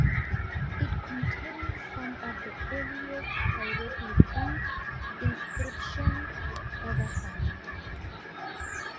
It contains some of the earliest hieroglyphic inscriptions ever found.